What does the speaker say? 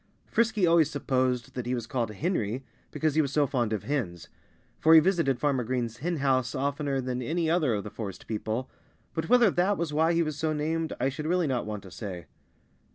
Frisky always supposed that he was called "Henry" because he was so fond of hens for he visited Farmer Green's hen house oftener than any other of the forest people but whether that was why he was so named I should really not want to say.